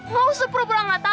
mau seru seru gak tau